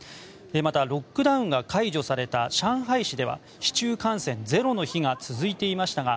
また、ロックダウンが解除された上海市では市中感染ゼロの日が続いていましたが